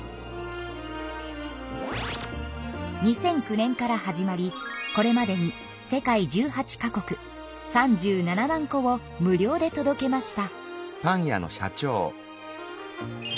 ２００９年から始まりこれまでに世界１８か国３７万個を無料でとどけました。